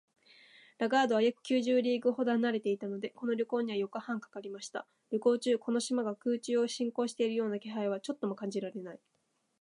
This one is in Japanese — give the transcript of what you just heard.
ラガードは約九十リーグほど離れていたので、この旅行には四日半かかりました。旅行中、この島が空中を進行しているような気配はちょっとも感じられない